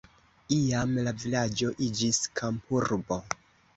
Iam la vilaĝo iĝis kampurbo.